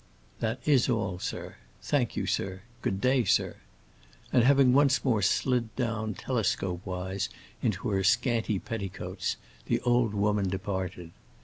"That is all, sir. Thank you, sir. Good day, sir." And having once more slid down telescope wise into her scanty petticoats, the old woman departed.